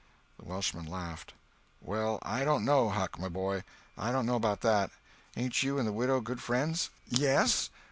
The Welshman laughed. "Well, I don't know, Huck, my boy. I don't know about that. Ain't you and the widow good friends?" "Yes.